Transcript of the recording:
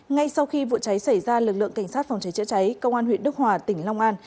ngay sau khi vụ cháy xảy ra lực lượng cảnh sát phòng cháy chữa cháy công an huyện đức hòa tỉnh long an